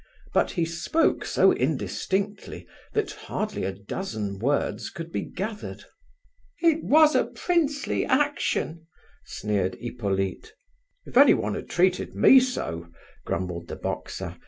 But he spoke so indistinctly that hardly a dozen words could be gathered. "It was a princely action!" sneered Hippolyte. "If anyone had treated me so," grumbled the boxer.